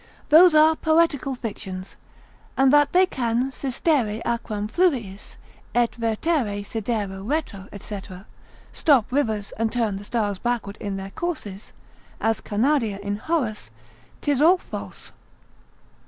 Those are poetical fictions, and that they can sistere aquam fluviis, et vertere sidera retro, &c., (stop rivers and turn the stars backward in their courses) as Canadia in Horace, 'tis all false.